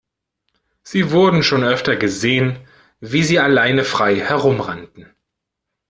Sie wurden schon öfter gesehen, wie sie alleine frei herum rannten.